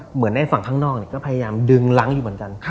เหมือนในฝั่งข้างนอกก็พยายามดึงล้างอยู่เหมือนกัน